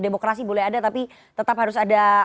demokrasi boleh ada tapi tetap harus ada